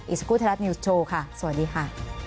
อีสกุธรัฐนิวส์โชว์ค่ะสวัสดีค่ะ